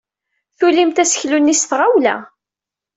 Tulimt aseklu-nni s tɣawla.